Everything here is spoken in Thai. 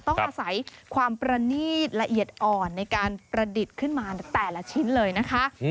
ต้องอาศัยความประนีตละเอียดอ่อนในการประดิษฐ์ขึ้นมาแต่ละชิ้นเลยนะคะ